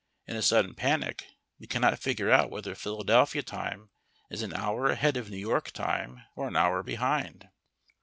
In a sudden panic we cannot figure out whether Philadelphia time is an hour ahead of New York time or an hour behind.